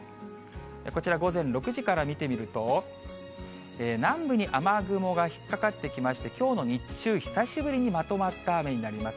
こちら、午前６時から見てみると、南部に雨雲が引っかかってきまして、きょうの日中、久しぶりにまとまった雨になります。